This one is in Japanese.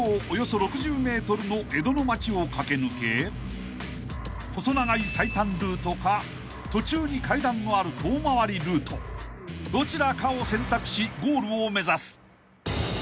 およそ６０ｍの江戸の町を駆け抜け細長い最短ルートか途中に階段のある遠回りルートどちらかを選択しゴールを目指す］